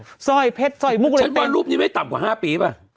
โหเนี่ยซ้อยเพชรซ้อยมุกเลยแต่งฉันว่ารูปนี้ไม่ต่ำกว่า๕ปีป่ะ